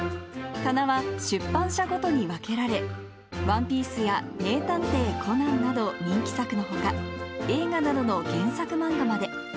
棚は出版社ごとに分けられ、ワンピースや名探偵コナンなど、人気作のほか、映画などの原作漫画まで。